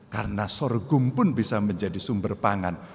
karena sorghum pun bisa menjadi sumber pangan